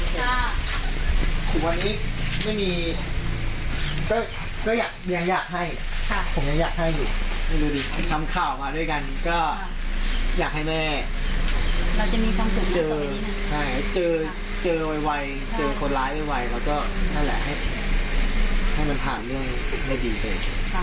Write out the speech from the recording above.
เจอคนร้ายไม่ไวแล้วให้มันผ่านเรื่องได้ดีไป